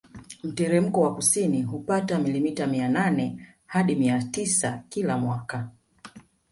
Mteremko wa kusini hupata milimita mia nane hadi mia tisa kila mwaka